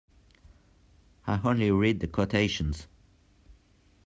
I only read the quotations.